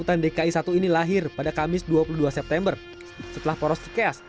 yang dikritik adalah program kami